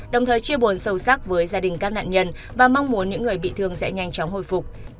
đồng thời chia buồn sâu sắc với gia đình các nạn nhân và mong muốn những người bị thương sẽ nhanh chóng hồi phục